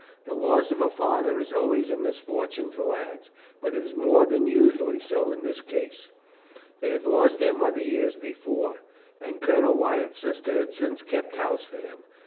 The loss of a father is always a misfortune to lads, but it was more than usually so in this case. They had lost their mother years before, and Colonel Wyatt's sister had since kept house for him.